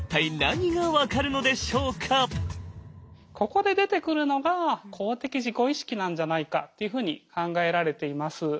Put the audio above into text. ここで出てくるのが公的自己意識なんじゃないかというふうに考えられています。